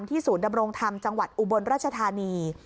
ศูนย์ดำรงธรรมจังหวัดอุบลราชธานี